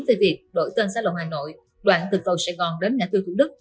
về việc đổi tên sa lộ hà nội đoạn từ cầu sài gòn đến ngã tư thủ đức